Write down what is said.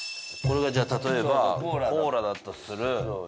これがじゃあ例えばコーラだとする。